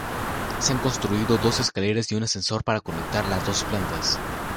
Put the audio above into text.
Se han construido dos escaleras y un ascensor para conectar las dos plantas.